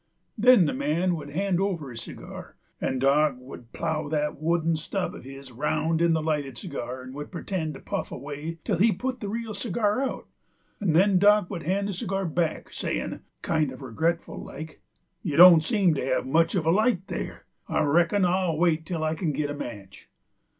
Then the man w'u'd hand over his cigar, and Dock w'u'd plough that wood stub uv his'n around in the lighted cigar and would pertend to puff away till he had put the real cigar out, 'nd then Dock w'u'd hand the cigar back, sayin', kind uv regretful like: "You don't seem to have much uv a light there; I reckon I'll wait till I kin git a match."